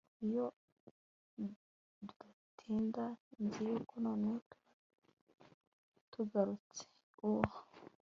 iyo tudatinda nzi yuko none tuba tugarutse u